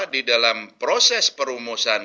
di dalam proses perumusan